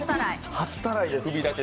初たらいです。